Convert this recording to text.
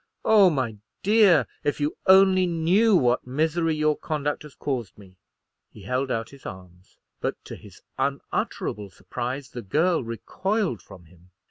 Oh, my dear, if you only knew what misery your conduct has caused me!" He held out his arms, but, to his unutterable surprise, the girl recoiled from him.